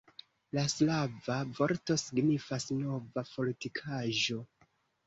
La slava vorto signifas Nova fortikaĵo.